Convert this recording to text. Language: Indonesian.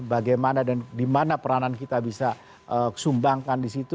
bagaimana dan dimana peranan kita bisa sumbangkan disitu